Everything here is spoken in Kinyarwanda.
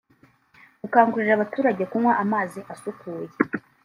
gukangurira abaturage kunywa amazi asukuye